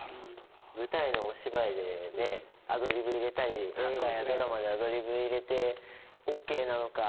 舞台のお芝居でアドリブ入れたり映画やドラマでアドリブを入れてＯＫなのか